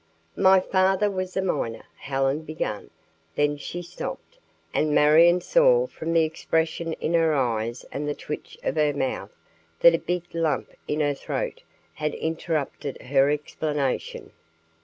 "My father was a miner," Helen began. Then she stopped, and Marion saw from the expression in her eyes and the twitch of her mouth that a big lump in her throat had interrupted her explanation.